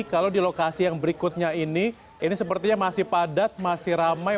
kalau di lokasi yang berikutnya ini ini sepertinya masih padat masih ramai